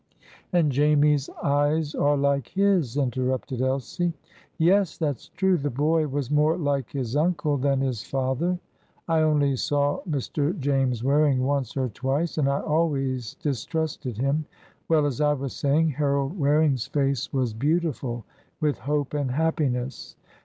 "And Jamie's eyes are like his," interrupted Elsie. "Yes; that's true. The boy was more like his uncle than his father. I only saw Mr. James Waring once or twice, and I always distrusted him. Well, as I was saying, Harold Waring's face was beautiful with hope and happiness.